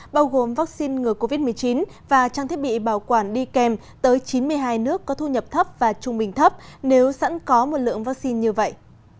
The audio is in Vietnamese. bao gồm vaccine ngừa covid một mươi chín và trang thiết bị bảo quản đi kèm tới chín mươi hai nước có thu nhập thấp và trung bình thấp nếu sẵn có một lượng vaccine như vậy